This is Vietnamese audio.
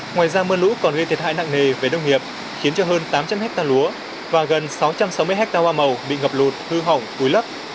ngoài ra mưa lũ còn gây thiệt hại nặng nề về đông nghiệp khiến cho hơn tám trăm linh ha lúa và gần sáu trăm sáu mươi ha hoa màu bị ngập lụt hư hỏng cúi lấp